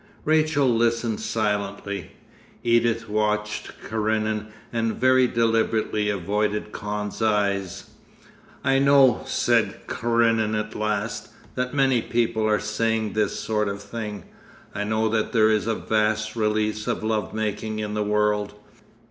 Rachel listened silently; Edith watched Karenin and very deliberately avoided Kahn's eyes. 'I know,' said Karenin at last, 'that many people are saying this sort of thing. I know that there is a vast release of love making in the world.